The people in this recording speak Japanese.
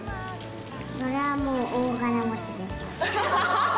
それはもう、大金持ちでしょう。